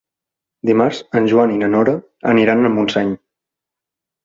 Dimarts en Joan i na Nora aniran a Montseny.